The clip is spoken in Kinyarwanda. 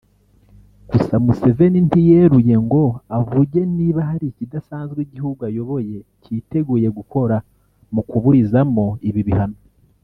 Gusa Museveni ntiyeruye ngo avuge niba hari ikidasanze igihugu ayoboye cyiteguye gukora mu kuburizamo ibi bihano